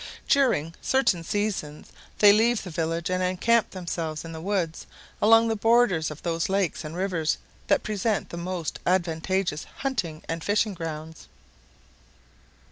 During certain seasons they leave the village, and encamp themselves in the woods along the borders of those lakes and rivers that present the most advantageous hunting and fishing grounds.